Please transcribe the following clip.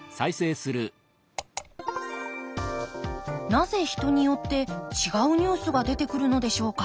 なぜ人によって違うニュースが出てくるのでしょうか。